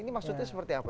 ini maksudnya seperti apa